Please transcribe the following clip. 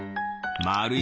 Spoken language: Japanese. まあるい